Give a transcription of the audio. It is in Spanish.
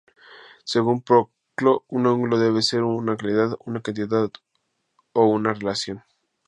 Según Proclo, un ángulo debe ser una calidad o una cantidad, o una relación.